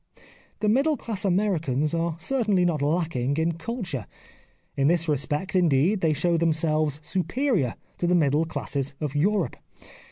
The middle class Americans are cer tainly not lacking in culture ; in this respect, indeed, they show themselves superior to the middle classes of Europe.